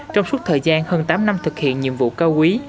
trong suốt thời gian hơn tám năm thực hiện nhiệm vụ cao quý